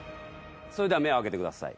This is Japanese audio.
それでは目を開けてください